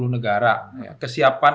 tiga puluh negara kesiapan